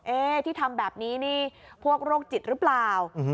เอ๊ที่ทำแบบนี้นี่พวกโรคจิตรึเปล่าอื้อฮึ